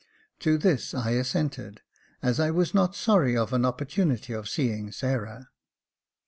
To this I assented, as I was not sorry of an opportunity of seeing Sarah.